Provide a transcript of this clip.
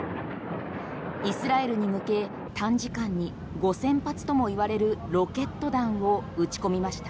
イスラエルに向け短時間に５０００発とも言われるロケット弾を打ち込みました。